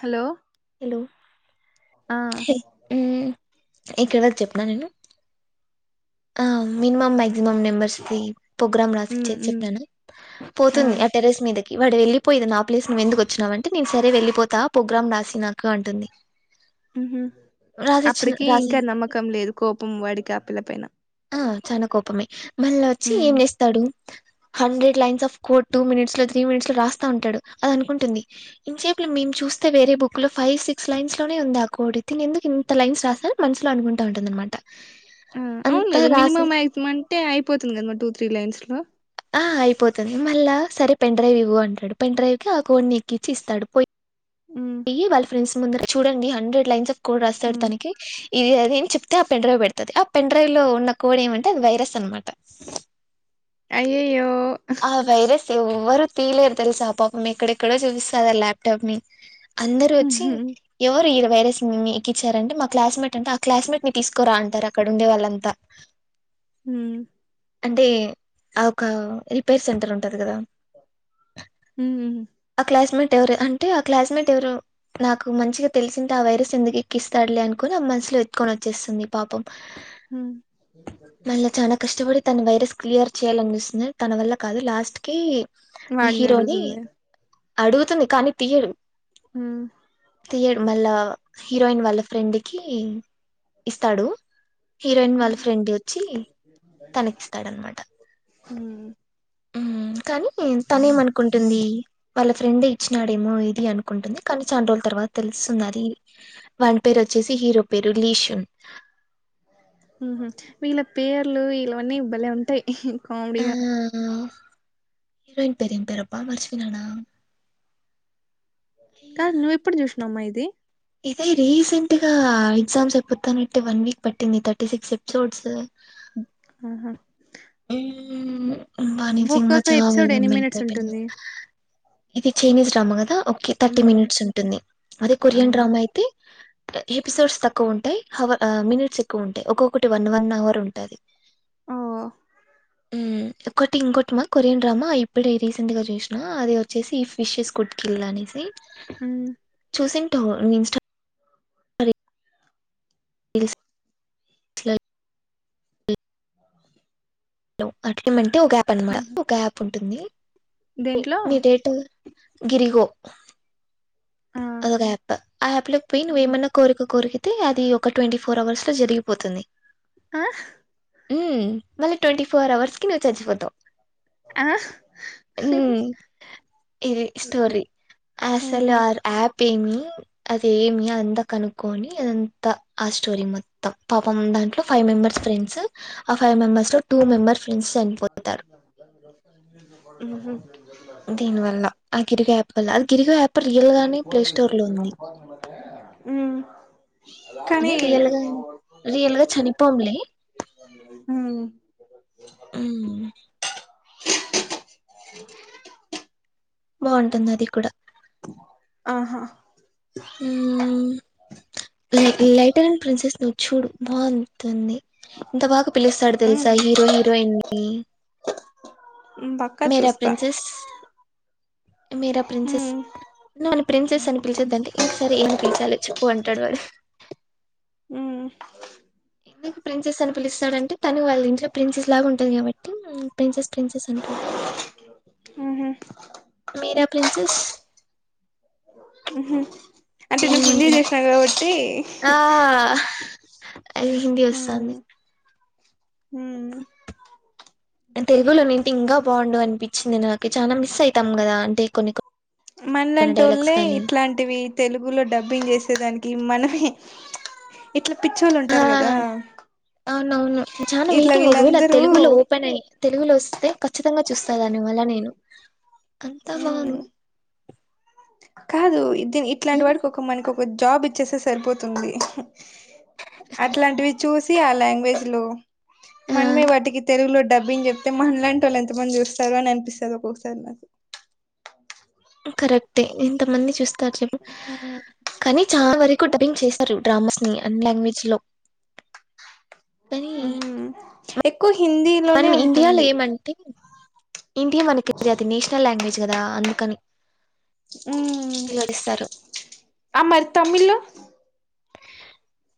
Hello hello ఆ హాహు ఎక్కడ చెప్పిన నేను ఆ మినిమం మాక్సిమం నెంబర్స్కి ప్రోగ్రామ్ ఉమ్ రాసిచ్చేసి ఉమ్ చెప్పినను పోతుంది ఆ టెరెస్ మీద ఇ వాడి వెళ్ళలిపోయిది నా ప్లేస్ నువ్వు ఎందుకు వచ్చినావంటే నేను సరే వెళ్ళలిపోతా ప్రోగ్రాం రాసి నాకు అంటుంది ఉహు రాసిచ్చిన అప్పటికి రాసి ఇంకా నమ్మకం లేదు కోపం వాడి కాపిల్ల పైన ఆ చాలా కోపమే మళ్ళ వచ్చి ఉమ్ ఏం చేస్తాడు hundred lines of code two minutes లో త్రీ మినిట్స్ లో రాస్తా ఉంటాడు అది అనుంటుంది ఇంసేపు మేము చూస్త వస్త వేరే బుక్ లో ఫైవ్ సిక్స్ లైన్స్ లోనే ఉంది ఆ కోడ్ ఇతను ఎందుకు ఇంత లైన్స్ రాస్తా మనసులో అనుకుంటూ ఉంటుందనమాట ఆ అవును కదా మినిమమ్ మక్సిం అంటే అయిపోతుంది కదా మ టూ త్రీ లైన్స్ లో ఆ అయిపోతుంది మల్ల సరే పెన్ డ్రైవ్ ఇవ్వ అంటాడు పెన్ డ్రైవ్ కి ఆ కోంని ఎక్కించి ఇస్తాడు ఉమ్ పోయియి వాళ్ళ ఫ్రెండ్స్ ముందు చూడండి హండ్రెడ్ లైన్స్ ఆఫ్ కోడ్ రాస్తాడు ఉమ్ తనకి ఇది అదిని చెప్తే ఆ పెన్ డ్రైవ్ పెడతుది ఆ పెన్ డ్రైవ్ లో ఉన్న కోడ ఏమంటే అది వైరస్ అనమాట అయ్యయ్యో ఆ వైరస్ ఎవ్వరు తీలేరు తెలుసా ఆ పాపం ఎక్కడెక్కడో చూపిస్తాది ఆ లాప్టాప్ ని అందరు వచ్చి ఉహు ఎవరు ఇలా వైరస్ మీకి ఇచ్చారంటే మా క్లాస్మేట్ అంటే ఆ క్లాస్మేట్ ని తీసుకురా అంటారు అక్కడ ఉండే వాళ్ళంతా ఉమ్ అంటే ఆ ఒక రిప్ పేర్ సెంటర్ ఉంటది కదా ఉమ్ ఆ క్లాస్ మేట్ ఎవరు అంటే ఆ క్లాస్మేట్ ఎవరో నాకు మంచిగా తెలిసింటే ఆ వైరస్ ఎందుకు ఎక్కిస్తాడలే అనుకుని అమ్మా ఎతుకొని వచ్చేస్తుంది పాపం ఉహ్ మళ్ళీ చాలా కష్టపడి తన వైరస్ క్లియర్ చేయాలనిపిస్తుంది తన వల్ల కాదు లాస్ట్ కి వాడ నడు హీరోని గుతుంది అడుగుతుంది కానీ తీయడు ఉమ్ తీయడు మళ్ళ హీరోయిన్ వాళ్ళ ఫ్రెండ్ కి ఇస్తాడు హీరోయిన్ వాళ్ళ ఫ్రెండ్ వచ్చి తనకి ఇస్తారన్నమాట ఉమ్ ఉమ్ కానీ తనే ఏమనుకుంటుంది వాళ్ళ ఫ్రెండే ఇచ్చినాడేమో ఇది అనుకు ఉంటుంది కానీ చాలా రోజుల తర్వాత తె స్తున్నది వానీ పేరు వచ్చేసి హీరో పేరు లీషన్ ఉహు వీళ్ళ పేర్లు వీలవన్నీ బలే ఉంటాయి ఆ కామెడీగా హీరోయిన్ పేరు ఏం పేరుఅబ్బా మర్చి పోయినా నా కాదు నువ్వు ఎప్పుడు చూసినవమ్మా ఇది ఇదే రీసెంట్ గా ఎగ్జామ్ అయిపోతానట్టే వన్ వీక్ పట్టింది థర్టీ సిక్స్ ఎపిసోడ్స్ ఆహా ఊ నిజంగా ఒక్కొక్క చాలా ఎపిసోడ్ ఎన్ని మంత్స్ మినిట్స్ అయిపోయింది ఉంటుంది ఇది చైనీస్ డ్రామా కదా ఓకే థర్టీ ఉమ్ మినిట్స్ ఉంటుంది అదే ఆ కొరియన్ డ్రామా అయితే ఎపిసోడ్స్ తక్కువ ఉంటాయి హావ మినిట్స్ ఎక్కువ ఉంటాయి ఒక్కొక్కటి వన్ వన్ అవర్ ఉంటుంది ఓ ఉ ఒకటి ఇంకోటి మా కొరియన్ డ్రామా ఇప్పుడే రీసెంట్ గా చూసినా అది వచ్చేసి ఫిషెస్ కుడ్కిల్ అనేసి ఉ తో ఇష్ట ఇది నీ ఇష్టం హలో అట్ ఏమంటే ఒక యాప్ అనమాట ఉహు ఒక యాప్ ఉంటుంది దేంట్లో గిరిఓ ఆ అదొ ఒక ఆప్ ఆ అప్ లోకి పోయి నువ్వు వేమన్నా కోరిక కోరిక కోరితే అది ఒక ట్వంటీ ఫోర్ అవర్స్ లో జరిగిపోతుంది ఆ ఉ మళ్ళీ ట్వంటీ ఫోర్ అవర్స్ కి నువ్వు చచ్చిపోతావ్ ఆ హ ఇది స్టోరి ఆసలు ఓహో ఆర్ యాప్ ఏమి అదేమి అదంతా కనుక్కొని అదంతా ఆ స్టోరీ మొత్తం పాపం దాంట్లో ఫైవ్ మెంబెర్స్ ఫ్రెండ్స్ ఆ ఫైవ్ మెంబర్స్ లో టూ మెంబర్ ఫ్రెండ్స్ చనిపోతారు ఉ హు దీని వల్ల ఆ గిరిగో యాప్ వల్ల ఆ గిరిగో యాప్ రియల్ గానే ప్లే లేదు స్టోర్ లో సినిమా ఉంది కి పోదాం అని ఊ కానీ రియల్ గా రియల్ గా చనిపోంలే ఉ ఉ హు బోళ్ల సౌండ్ బాగుంటుంది అది కూడా ఆహా ఉ లై లైటర్ అం ప్రిన్సెస్ నువ్ చూడు బాగుంటంది ఇంత బాగా పిలుస్తాడు ఉమ్ తెలుసా హీరో హీరోయిన్ ని ఉమ్ మేరా ప్రిన్సెస్ మేరా ఉ ప్రిన్సెస్ నన్ను ప్రిన్సెస్ అని పిలిచొద్దంటే ఇంక సర ఏమని పిలిచాలో చెప్పు అంటాడు వాడు ఉ ఎందుకు ప్రిన్సెస్ అని పిలిస్తన్నాడంటే తను వాళ్ళ ఇంట్లో ప్రిన్సెస్ లా ఉంటంది కాబట్టి ప్రిన్సెస్ ప్రిన్సెస్ అంటాడు ఉ హు మీరా ప్రిన్సెస్ ఉహు అంటే నువ్వు కిందికి ఏముంటుంది చేసిన్ కాబట్టి ఆ అది హిందీ వస్తుంది అంటే ఊ ఉ తెలుగులో అయితే ఇంకా బాగుండు అనిపించింది నాకు అనిపించింది మిస్ అవుతాం కదా అంటే కొన్ని కొన్ని మనలాంటి డైలాగ్స్ ఓళ్లే కానీ ఇట్లాంటివి తెలుగులో డబ్బింగ్ చేసేదానికి మన ఇట్ల ఆ అవునవును చాలా ఇట్లా వెయిటింగ్ ఒకవేళ అది వీళ్ళందరూ తెలుగులో ఓపెన్ అయ్ తెలుగులో వస్తే ఖచ్చితంగా చూస్తా దాని వల్ల నేను అంతా ఉమ్ బాగుంది కాదు ఇది ధీ ఇట్లాంటి ఉమ్, వాడికి ఒక మనకి ఒక జాబ్ ఇచ్చేస్తే సరిపోతుంది అట్లాంటివి చూసి ఆ లాంగ్వేజ్ లో ఆ, మనమే వాటికి తెలుగులో డబ్బింగ్ చెప్తే మనలాంటి వాళ్ళు ఎంత మంది చూస్తారు అని అనిపిస్తారు ఒక్కొక్కసారి నాకు కరెక్టే ఇంత మంది చూస్ త్తారు చెప్ కానీ చాలా వరకు డబ్బింగ్ చేస్తారు డ్రామాస్ ని అన్ని లాంగ్వేజ్ చ్ లో కానీ మ్మ్ ఎక్కువ హిందీలోనే మనం ఇండియాలో ఉంటుంది ఏమంటే ఇండియా మనకి అది నేషనల్ లాంగ్వేజ్ కదా అందుకని మ్మ్ తెలుగులో చేస్తారు ఆ మరి తమిలు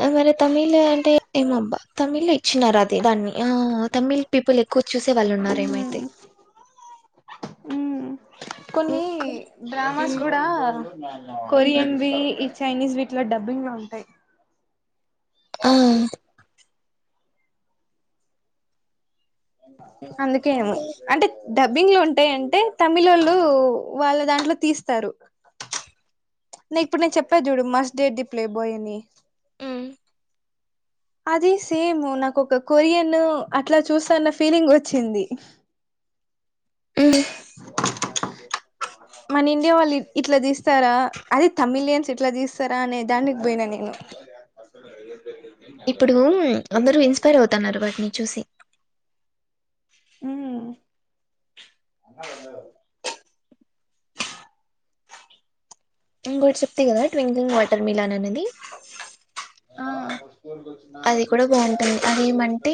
ఆ మరి తమిళ అంటే ఏమబ్బా తమిళ ఇచ్చినారు అది దాన్ని ఆ తమిళ్ పీపుల్ ఎక్కువ చూసే వాళ్ళు ఉన్నారు మ్మ్ ఏమైతే మ్మ్ కొన్ని డ్రామాస్ మ్మ్ కూడా మ్మ్ కొరియన్ బి ఇ చైనీస్ వీటిలో డబ్బింగ్ లో ఉంటాయి ఆ రాక్కో అందుకేనేమో అంటే డబ్బింగ్ లో ఉంటాయంటే తమిలోళ్ళు వాళ్ళ దాంట్లో తీస్తారు [inaudible] నే ఇప్పుడు నేను చెప్పేది చూడు must date the playboy అని మ్మ్ అది సేమ్ నాకు ఒక కొరియన్ అట్లా చూస్తన్న ఫీలింగ్ వచ్చింది మ్మ్ మన ఇండియా వాళ్ళు ఇట్లా తీస్తారా అదే తమిలియన్స్ ఇట్లా తీస్తారా అనే దానికి పోయినా నేను [inaudible] ఇప్పుడు అందరూ ఇన్స్పైర్ అవుతున్నారు వాటిని చూసి మ్మ్ ఇంకోటి చెప్తి కదా ట్వింక్లింగ్ వాటర్ మిలాన్ అనేది ఆ అది కూడా బాగుంటుంది అది ఏమంటే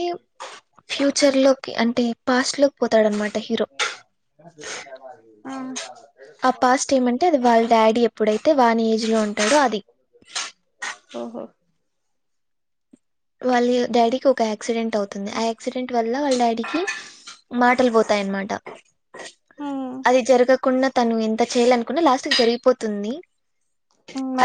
ఫ్యూచర్ లోకి అంటే పాస్ట్ లో ఆ ఆ పాస్ట్ ఏమంటే అది వాళ్ళ డాడీ ఎప్పుడైతే వాని ఏజ్ లో ఉంటాడో అది ఓహో వాళ్లు డాడీకి ఒక యాక్సిడెంట్ అవుతుంది ఆ యాక్సిడెంట్ వల్ల వాళ్ళ డాడీకి మాటలు పోతాయన్నమాట ఉమ్ అది జరగకుండా తను ఎంత చేయ్యాలనుకున్నా లాస్ట్కి జరిగిపోతుంది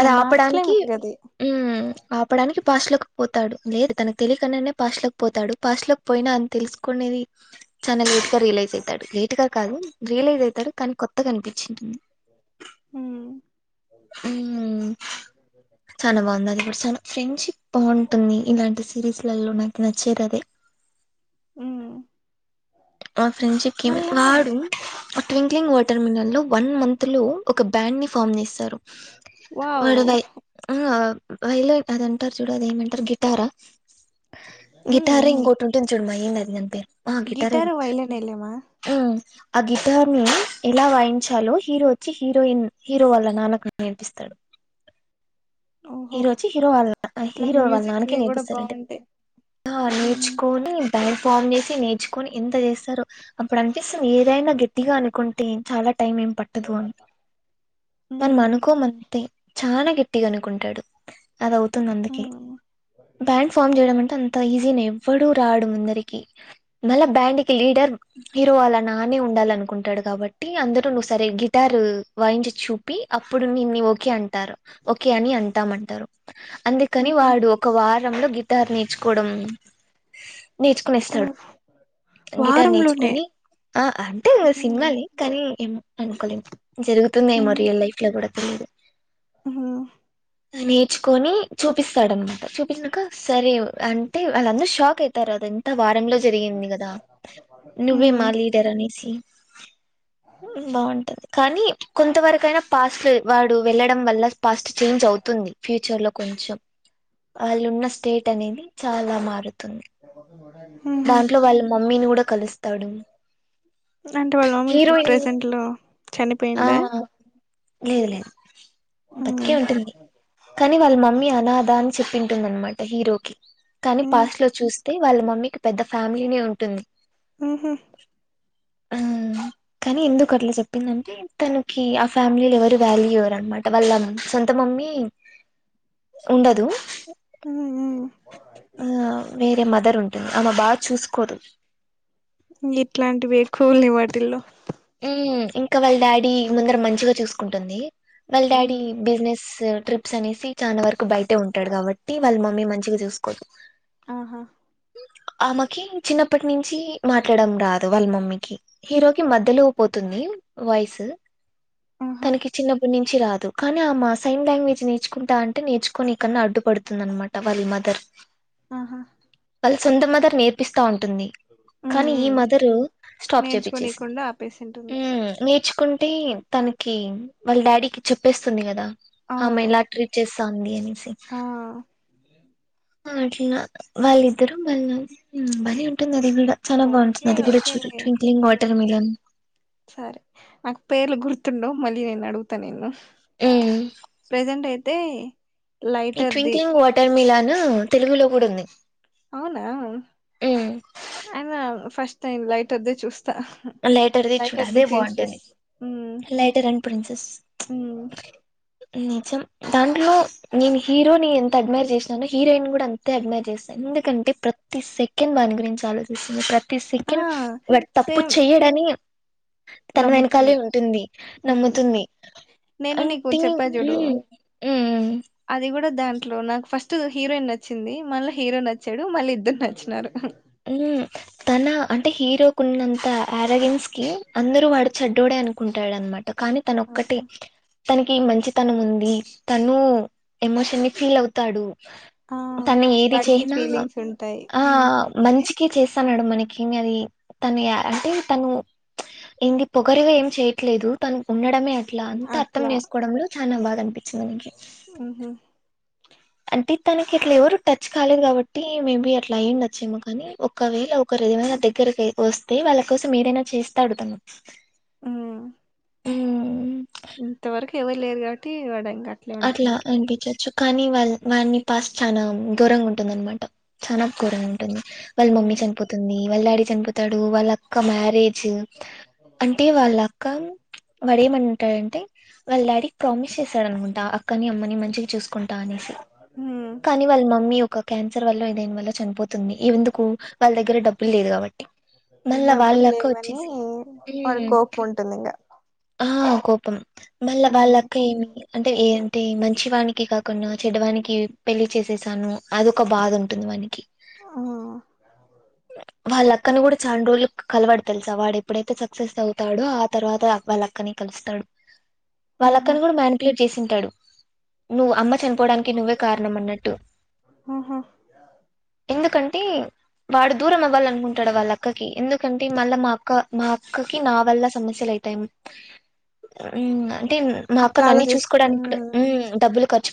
అది మార్చలేం ఆపడానికి ఇంగది మ్మ్ ఆపడానికి ఫాస్ట్ లోకిపోతు తాడు లేదు తనకు తెలియకున్నానే పాస్ట్ లోకి పోతాడు పాస్ట్లకు పోయినా అ తెలుసుకునేది ఛానెల్ పెట్ రియలైజ్ అయితాడు లేట్ గా కాదు రియలైజ్ అవుతాడు కానీ కొత్తగా అనిపిచ్చింటింది మ్మ్ మ్మ్ చానా వంగారి పర్సన్ ఫ్రెండ్షిప్ బాగుంటుంది ఇలాంటి సిరీస్లలో నాకు నచ్చేది అదే ఊ మా ఫ్రెండ్ చెప్పింది వాడు ఆ ట్వింక్లింగ్ వాటర్ మిలన్ లో. వన్ మంత్ లో ఒక బ్యాండ్ ని ఫామ్ చేస్తారు వావ్ వాడదై ఆహా వైలైన్ అది అంటారు చూడు అది ఏమంటారు గిటారా గిటారే మ్మ్ ఇంకోటి ఉంటుంది చూడుమై ఏంది అది దాని పేరు ఆ గిట్టారే అది గిటార్ వైలన్ ఎలేమా ఆ ఆ ఊ ఆ గిటార్నీ ఎలా వాయించాలో హీరో వచ్చి హీరోయిన్ హీరో వాళ్ళ నాన్నక నేర్పిస్తాడు ఓహో హీరో వచ్చి హీరో వాళ్ళ [inaudible] ఇట్లా హీరో వాళ్ళ నాన్నకే మ్యూజిక్వి కూడా నేర్పిస్తారంటద్. బాగుంటాయి ఆ మ్మ్ హానేర్చుకోనీ బ్యాండ్ ఫామ్ చేశి నేర్చుకొని ఎంత చేస్తారో అప్పుడు అనిపిస్తుంది ఏదైనా గట్టిగా అనుకుంటే చాలా టైం ఏం పట్టదు అని మనం మ్మ్ అనుకోమంతే. చాలా గట్టిగ అనుకుంటాడు. అది అవుతుంది అందుకే మ్మ్ బ్యాండ్ ఫామ్ చేయడం అంటే అంత ఈజీ నేన్ ఎవ్వడూ రాడు ముందరికి మళ్ళా బ్యాండ్ కి లీడర్ హిరోవాళ నాన్నే ఉండాలన అనుకుంటాడు కాబట్టీ అందరూ నువ్వు సరే గిటార్ వాయించి చూపీ అప్ ప్పుడు వీన్ని ఓకే అంటారు ఓకే అని అంటామ్ అంటారు అందుకని మ్మ్ వాడు ఒక వార్ రంలో గిటార్ నేర్చుకోవడం నేర్చుకునేస్తాడు. హ్మ్ గిటార్ వారంలోనే నేర్చుకొనీ ఆ అంటే మ్మ్ సినిమాల్నే కానీ ఏమో అనుకోలేం జరుగుతుందేమో రియల్ లైఫ్ గూడా తెలీదు హ్ము నేర్చుకొనీ చూపిస్తాడనమాట చూపించినాకా సరే అంటే వాళ్ళందరు షాక్ అయి తరు అది అంతా వారంలో జరిగింది గదా నువ్వే మ్మ్ మా లీడర్ అనేసి. బాగుంటది కానీ కొంతవరకయినా పాస్ట్లు వాడు వెళ్ళడం వల్ల పాస్ట్ చేంజ్ అవుతుంది ఫ్యూచర్ లో కొంచెం వాళ్ళు ఉన్న స్టేట్ అనేది చాలా మారుత్ తుంది మ్మ్ హ్మ్ దాంట్లో వాళ్ళ మమ్మీని కూడా కలుస్తాడు. దాంట్లో వాళ్ళ మమ్మీ ఇప్పుడు హీరోయిన్ ప్రెజెంట్ లో ఆ చనిపోయిందా. లేదు లేదు బతికే మ్మ్ ఉంటుంది కానీ వాళ్ళ మమ్మీ అనాదా అని చెప్పింటుందనమాట హీరో కి కానీ మ్మ్ పాస్ట్ లో చూస్ తే వాళ్ళ మమ్మీకి పెద్ద ఫ్యామిలీనే ఉంటుంది. ఊహు హ్ము కానీ ఎందుకు అట్ల చెప్పిందని తనకీ ఆ ఫ్యామిలీలో ఎవరు వాల్యూ ఇవ్వరు అనమాట వాళ్ళ సొంత మమ్మీ ఉండదూ మ్మ్ మ్మ్ ఆ వేరే మదర్ ఉం టార్ ఆమె బాగా చూసుకోదు. ఇంగ ఇట్లాంటివి ఎక్కువుల్లయ్ వాటిల్లో హ్ము ఇంకా వాళ్ళ డాడీ ముందర మంచిగా చూసుకుంటుందీ. వాళ్ళ ఉమ్ డాడీ బిజినెస్ ట్రిప్స్ అనేసి చానా వరకు బయటే ఉంటాడు కాబట్టి వాళ్ళ మమ్మీ మంచిగ చూసుకోద్. ఆహా ఆమెకీ చిన్నప్పటి నుంచీ మాట్లాడడం రాదు వాళ్ళ మమ్మీకి హీరోకి మధ్ ధ్యలో పోతుందీ వాయిసు ఆహా తనకి చిన్నప్పటి నుం చీ రాదు కానీ ఆ మా సైన్ లాంగ్వేజ్ నేర్చుకుంటా అంటే నేర్చుకొని కుండా అడ్డు పడుతుంది అనమాట వాళ్ళ మదర్. ఆహా వాళ్ళ సొంత మదర్ నేర్పిస్తా ఉంటుంది ఉమ్ కానీ ఈ ఉమ్ మదర్ స్టాప్ చేపించేసింది నేర్చుకోనీకుండా ఆపేసింటుంది ఉ నేర్చుకుంటే తనకి వాళ్ళ డాడీకి చెప్పేస్తుంది కదా ఆమె అవును ఎలా ట్రీట్ చేస్తఉంది అనేసి ఆ అట్లా వాళ్ళిద్దరం వాళ్ళ బలే ఉంటుంది అది కూడా చాల బాగుంటుంది ఓకే అది కూడా చు ఓకేలే ట్విక్లింగ్ ఉమ్ వాటర్ మిలన్ సరే నాకు పేర్లు గుర్తుండవు మళ్ళీ నేను అడుగుతా నిన్ను హ్మ్. ప్రెజెంట్ అయితే ఈ లైటర్ది ట్వింక్లింగ్ వాటర్ మిలాన్ తెలుగులో కూడా ఉంది అవునా హ్మ్. అయన ఫస్ట్ టైన్ లైట్ పెద్దది చూస్తా లైటర్‌ది లైక్ చూడు హదే అదే ప్రిన్సెస్ బావుంటుంది. ఉ 'లైటర్ అండ్ ప్రిన్సెస్'. ఉ [unintelligible] నిజం దాంట్లో నేను హీరో ని ఎంత అడ్మైర్ చేసినానో హీరోయిన్ కూడా అంతే అడ్మైర్ చేసా ఎందుకంటే ప్రతి సెకండ్ దాని గురించి ఆలోచిస్తుంది ప్రతి ఆ సెకండ్ లాప్ టాప్ అప్పుడు సేమ్ చెయ్యడని తన నమ్ముతుంది వెనకాలే ఉంటుంది నమ్ముతుంది నేను నీకు అంటే చెప్పా చూడు ఉమ్ ఉమ్ అది కూడా దాంట్లో నాకు ఫస్ట్ హీరోయిన్ నచ్చింది మళ్ళీ హీరోన్ నచ్చాడు మళ్ళీ ఇద్దరు నచ్చినారు తన అంటే హీరో కొన్నంత ఆరగన్స్ కి అందరూ వాడు చెడ్డడు అనుకుంటాడునమాట కానీ తన ఒక్కటే అవునా తనకి మంచితనం ఉంది తను ఎమోషన్ ని ఫీల్ అవుతాడు ఆ తను ఏది వాడికి చేయనా ఫీలింగ్స్ ఉంటాయి ఆ ఉమ్, రోజుకి చేస్తాన్నాడు మనకి అది తను అంటే తను ఇంది పొగరుగా ఏం చెయట్లేదు తను ఉండడమే అ ఇట్లా అంతా అర్థం అట్లా చేసుకోవడంలో చనా బాగా అనిపించింది మనకి ఉహు అంటే తనకి ఇట్లా ఎవరు టచ్ కాలేదు కాబట్టి మేబి అట్లా అయి ఉండొచ్చేమో కాని ఒకవేళ ఒకరు ఏదమైనా నా దగ్గరకి వస్తే వాళ్ళ కోసం ఏదైనా చేస్తేడు అతను ఉ ఊ ఇంతవరకు ఎవరు లేరు కాబట్టి వాడను అట్లా అనిపించోచ్చు కానీ వాళ్ళ వాని ఫస్ట్ చనా ఘోరంగా ఉంటుంది అనమాట చనాా ఘోరంగా ఉంటుంది వాళ్ళ మమ్మీ ఉమ్ చనిపోతుంది వాళ్ళ డాడీ చనిపోతాడు వాళ్ళ అక్క మ్యారేజ్ అంటే వాళ్ళ అక్క వాడు ఏమంటాడంటే వాళ్ళ డాడీకి ప్రామిస్ చేశాడు అనుకుంట అ అక్క ని అమ్మని మంచిగా చూసుకుంటా అనేసి ఉమ్ కానీ వాళ్ళ మమ్మీ ఒక క్యాన్సర్ వల్ల ఏదైని వల్ల చనిపోతుంది ఈ ఎందుకు వాళ్ళ దగ్గర డబ్బులు లేదు కాబట్టి మళ్ళా డబ్బులు వాళ్ళక్క లేవని వచ్చేసి వాడి కోపం ఉంటుంది ఇంగ ఆ కోపం మళ్ళా ఉమ్ వాళ్ళక్క ఏమి అంటే ఏ అంటే మంచివానికి కాకుండా చెడ్డవానికి పెళ్ళి చేసేసాను అది ఒక బాధ ఉంటుంది వానికి అవునా వాళ్ళ అక్కను కూడా చనా రోజులు కలవాడు తెలుసా వాడు ఎప్పుడైతే సక్సెస్ అవుతాడో ఆ తర్వాత వాళ్ళ అక్కనే కలుస్తాడు వాళ్ళ ఉహు అక్కని కూడా మ్యానిప్లేడ్ చేసింటాడు నువ్వు అమ్మ చనిపోడానికి నువ్వే కారణం అన్నట్టు ఉహు ఎందుకంటే వాడు దూరం అవ్వాలనుకుంటాడు వాళ్ళ అక్కకి ఎందుకంటే మళ్ళ మా అక్క మా అక్కకి నా వల్ల సమస్యలు అయితాయి అని ఉ అంటే మా అక్క అట్లా నన్నీ ఆలోచిస్ చూసుక్కోడానిక్కుడ ఉమ్ ఊ డబ్బులు ఖర్చు పె